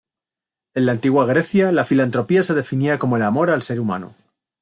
En la antigua Grecia la filantropía se definía como el "amor al ser humano".